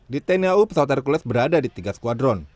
di tni au pesawat hercules berada di tiga skuadron